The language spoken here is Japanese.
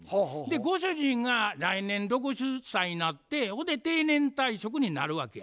ご主人が来年６０歳になってほんで定年退職になるわけや。